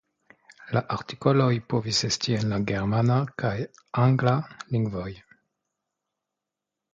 La artikoloj povis esti en la germana kaj angla lingvoj.